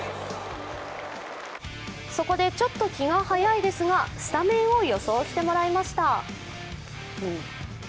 そこでちょっと気が早いですがスタメンを予想してもらいました。